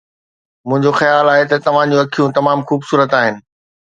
منهنجو خيال آهي ته توهان جون اکيون تمام خوبصورت آهن.